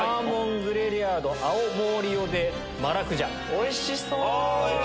おいしそう！